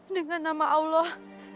dengan nama allah